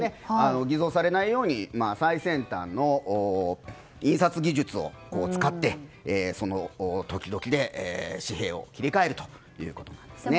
偽造されないように最先端の印刷技術を使ってその時々で紙幣を切り替えるということなんですね。